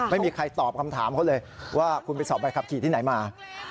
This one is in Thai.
ไม่มีใครตอบคำถามเขาเลยว่าคุณไปสอบใบขับขี่ที่ไหนมา